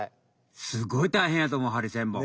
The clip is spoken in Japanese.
すごい大変やと思うハリセンボン。